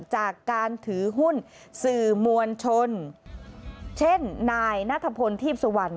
จากการถือหุ้นสื่อมวลชนเช่นนายนัทพลทีพสุวรรณ